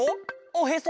おへそ？